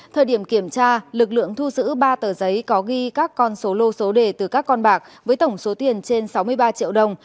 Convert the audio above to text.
thời điểm kiểm tra lực lượng thu giữ ba tờ giấy có ghi các con số lô số đề từ các con bạc với tổng số tiền trên sáu mươi ba triệu đồng